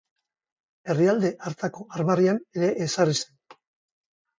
Herrialde hartako armarrian ere ezarri zen.